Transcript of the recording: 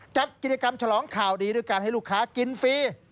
จัดกิจกรรมฉลองข่าวดีด้วยการให้ลูกค้ากินฟรี